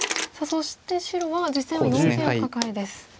そして白は実戦は４線をカカエです。